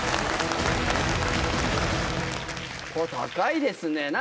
これ高いですね。